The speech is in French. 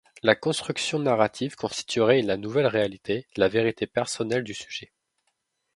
La construction narrative constituerait la nouvelle réalité, la vérité personnelle du sujet.